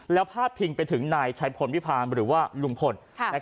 แล้วพาดพิงไปถึงนายชัยพลวิพาณหรือว่าลุงพล